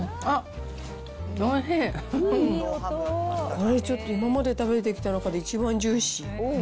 これちょっと、今まで食べてきた中で一番ジューシー。